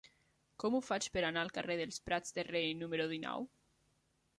Com ho faig per anar al carrer dels Prats de Rei número dinou?